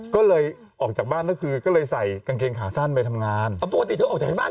ก็เลยออกจากบ้านก็คือก็เลยใส่กางเกงขาสั้นไปจัดการทำงาน